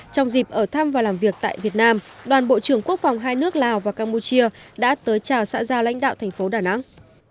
trong dịp ở thăm và làm việc tại việt nam đoàn bộ trưởng quốc phòng hai nước lào và campuchia đã tới chào xã giao lãnh đạo thành phố đà nẵng